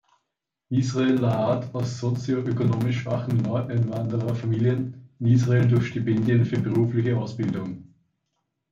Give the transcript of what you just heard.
Israel La’ad aus sozio-ökonomisch schwachen Neueinwanderer-Familien in Israel durch Stipendien für berufliche Ausbildung.